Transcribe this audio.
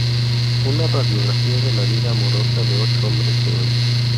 Una radiografía de la vida amorosa de ocho hombres de hoy.